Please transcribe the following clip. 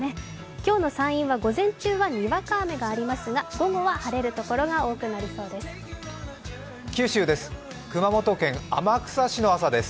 今日の山陰は午前中はにわか雨がありますが午後は晴れる所が多くなりそうです。